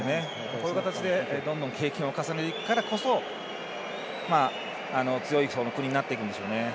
こういう形でどんどん経験を重ねていくからこそ強い国になっていくんでしょうね。